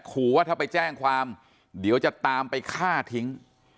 ขอว่าถ้าไปแจ้งความเดี๋ยวจะตามไปฆ่าทิ้ง